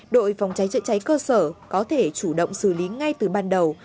đội phòng cháy chữa cháy cơ sở có thể chủ động xử lý ngay từ ban đầu